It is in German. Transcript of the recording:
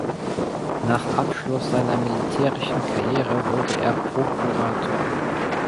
Nach Abschluss seiner militärischen Karriere wurde er Procurator.